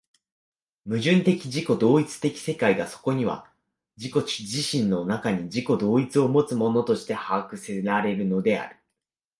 矛盾的自己同一的世界がそこには自己自身の中に自己同一をもつものとして把握せられるのである。